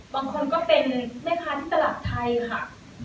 บางคนก็เป็นแม่ค้าที่ตลาดไทยค่ะ